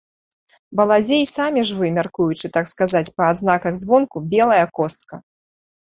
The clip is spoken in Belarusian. Балазе й самі ж вы, мяркуючы, так сказаць, па адзнаках звонку, — белая костка.